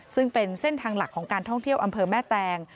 ซึ่งเป็นเส้นทางหลักของการท่องเที่ยวอำเภอแม่แตง